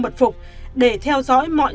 bật phục để theo dõi mọi